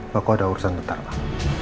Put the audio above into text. pak aku ada urusan bentar pak